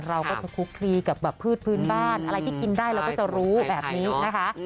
เราก็จะคุกคลีกับแบบพืชพื้นบ้านอะไรที่กินได้เราก็จะรู้แบบนี้นะคะ